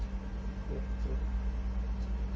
กระจกตรงทุกข์